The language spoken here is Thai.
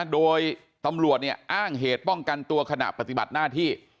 โดยตำรวจอ้างเหตุป้องกันตัวขณะปฏิบัติหน้าที่